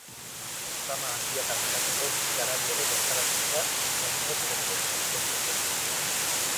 Zama handiak altxatzeko bi garabi ere bertaratu dira bi kamioiak errepidetik kentzeko.